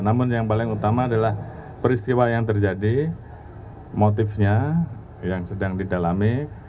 namun yang paling utama adalah peristiwa yang terjadi motifnya yang sedang didalami